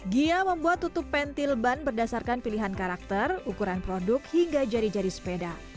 gia membuat tutup pentil ban berdasarkan pilihan karakter ukuran produk hingga jari jari sepeda